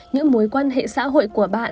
những mối quan hệ xã hội của bạn